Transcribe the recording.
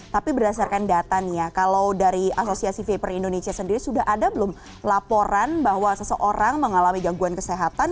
tapi berdasarkan data nih ya kalau dari asosiasi vaper indonesia sendiri sudah ada belum laporan bahwa seseorang mengalami gangguan kesehatan